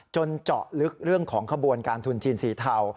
เจาะลึกเรื่องของขบวนการทุนจีนสีเทา